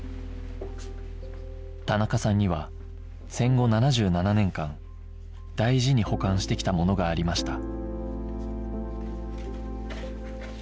田中さんには戦後７７年間大事に保管してきたものがありました